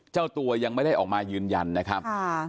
เจ้าตัวยังไม่ได้ออกมายืนยันนะครับ